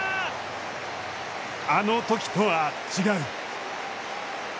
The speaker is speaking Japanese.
あのときとは違う。